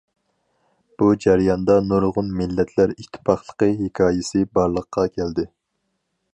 بۇ جەرياندا نۇرغۇن مىللەتلەر ئىتتىپاقلىقى ھېكايىسى بارلىققا كەلدى.